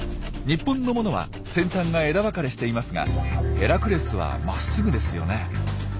日本のものは先端が枝分かれしていますがヘラクレスはまっすぐですよね。